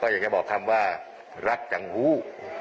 ก็อย่างนี้บอกคำว่ารักจังหู้